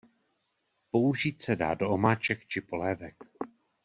Použít se dá do omáček či polévek.